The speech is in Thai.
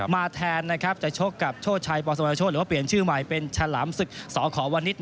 มาแทนจะชกกับโชชัยปสมรโชฯหรือเปลี่ยนชื่อใหม่เป็นชาหลามศึกสขวนิท